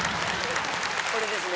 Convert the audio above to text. これですね。